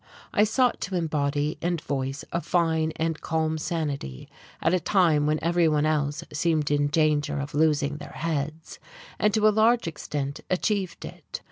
I sought to embody and voice a fine and calm sanity at a time when everyone else seemed in danger of losing their heads, and to a large extent achieved it.